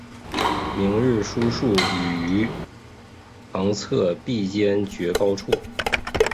明日书数语于堂侧壁间绝高处。